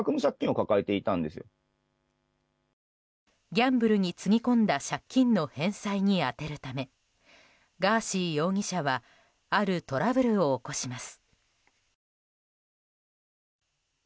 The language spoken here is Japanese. ギャンブルにつぎ込んだ借金の返済に充てるためガーシー容疑者はあるトラブルを起こします。